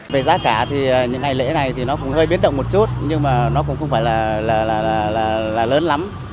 về giá cả thì những ngày lễ này thì nó cũng hơi biến động một chút nhưng mà nó cũng không phải là lớn lắm